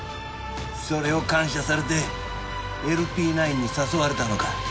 それを感謝されてＬＰ９に誘われたのか？